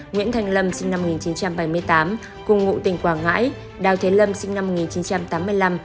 nguyễn thanh lâm sinh năm một nghìn chín trăm bảy mươi tám cùng ngụ tỉnh quảng ngãi đào thế lâm sinh năm một nghìn chín trăm tám mươi năm